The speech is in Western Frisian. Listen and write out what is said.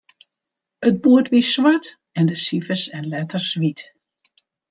It boerd wie swart en de sifers en letters wyt.